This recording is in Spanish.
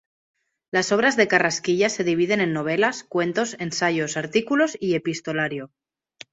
Las obras de Carrasquilla se dividen en novelas, cuentos, ensayos, artículos y epistolario.